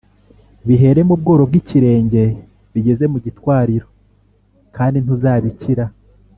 bihere mu bworo bw’ikirenge bigeze mu gitwariro, kandi ntuzabikira